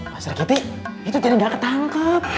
pasir kiti itu jadi gak ketangkep